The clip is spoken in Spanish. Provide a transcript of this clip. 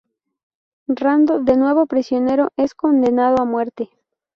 Rando, de nuevo prisionero, es condenado a muerte.